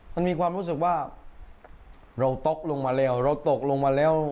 มันมีความรู้สึกว่าเราตกลงมาแล้วเราตกลงมาแล้ว